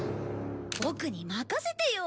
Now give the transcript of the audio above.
ボクに任せてよ。